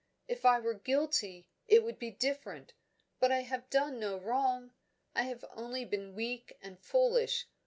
If I were guilty, it would be different. But I have done no wrong; I have only been weak and foolish.